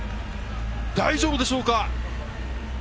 大丈夫でしょうか？